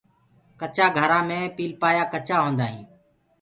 ڪچآ گھرآ مي پيلپآيآ ڪچآ هوندآ هينٚ۔